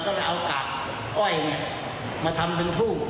ก็เอากาดอ้อยมาทำเป็นธุ้ง